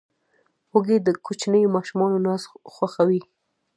وزې د کوچنیو ماشومانو ناز خوښوي